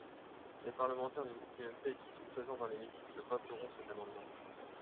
Les parlementaires du groupe UMP qui sont présents dans l’hémicycle voteront cet amendement.